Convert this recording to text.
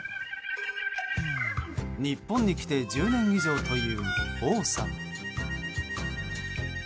日本に来て１０年以上という王さん。